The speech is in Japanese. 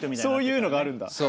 そういうのがあるんだ。